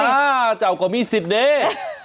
อ้าวจะก็มีสิทธิ์เนี่ย